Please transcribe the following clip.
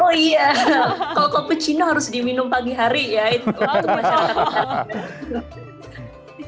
oh iya kalau cappuccino harus diminum pagi hari ya itu masyarakat